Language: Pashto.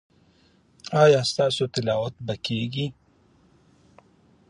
ایا ستاسو تلاوت به کیږي؟